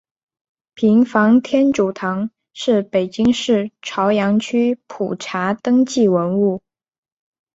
平房天主堂是北京市朝阳区普查登记文物。